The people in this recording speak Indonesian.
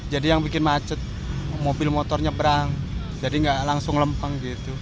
jadi yang bikin macet mobil motor nyebrang jadi gak langsung lempang gitu